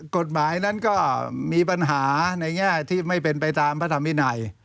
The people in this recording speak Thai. กฎหมายนั้นก็มีปัญหาในแง่ที่ไม่เป็นไปตามพระธรรมวินัย